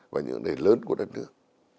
và những vấn đề lớn của đất nước